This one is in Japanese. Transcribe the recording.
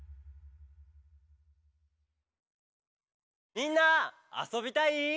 「みんなあそびたい？」